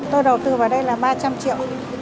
tôi đầu tư vào đây là ba trăm linh triệu